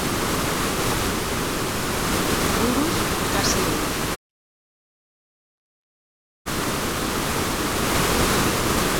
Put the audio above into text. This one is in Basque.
Buruz ikasi du.